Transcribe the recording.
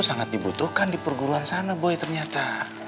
sangat dibutuhkan di perguruan sana boy ternyata